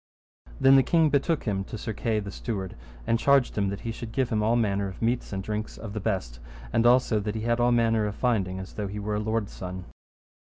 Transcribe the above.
Then the king betook him to Sir Kay the steward, and charged him that he should give him of all manner of meats and drinks of the best, and also that he had all manner of finding as though he were a lord's son.